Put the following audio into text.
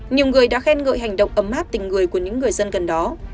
nhiều người đã khen ngợi hành động ấm áp tình người của những người dân gần đó